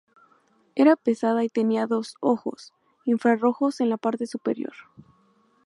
Era pesada y tenía dos "ojos" infra-rojos en la parte superior.